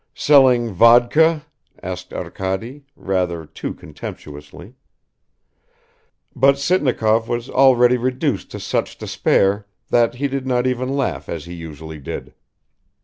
"Selling vodka?" asked Arkady, rather too contemptuously. But Sitnikov was already reduced to such despair that he did not even laugh as he usually did.